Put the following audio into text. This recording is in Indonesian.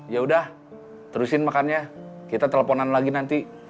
yaudah terusin makannya kita teleponan lagi nanti